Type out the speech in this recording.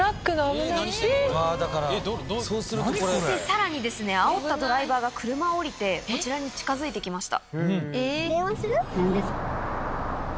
何してんの⁉さらにあおったドライバーが車を降りてこちらに近づいてきました。